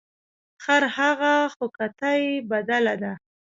ـ خرهغه خو کته یې بدله ده .